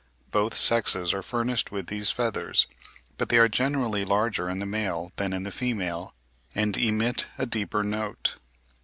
Both sexes are furnished with these feathers, but they are generally larger in the male than in the female, and emit a deeper note.